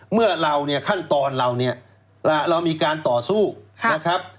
เมื่อเราเนี่ยขั้นตอนเราเนี่ยเรามีการต่อสู้นะครับ